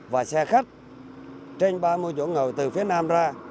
và xe khách trên ba mươi chỗ ngồi từ phía nam ra